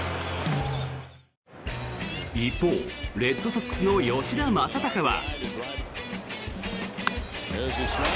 一方、レッドソックスの吉田正尚は。